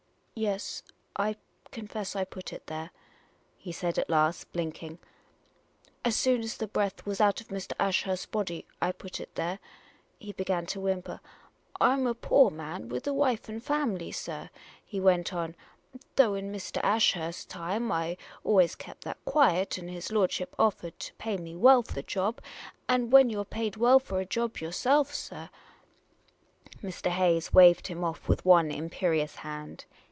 Yes, I confess I put it there," he said at last, blinking. " As soon as the breath was out of Mr. Ashurst's body I put it there." He began to whimper. " I 'm a poor man with a wife and family, sir," he went on, " though in Mr. Ashurst's time I always kep' that quiet ; and his lordship offered to pay me well for the job ; and when you 're paid well for a job yourself, sir " Mr. Hayes waved him off with one imperious hand.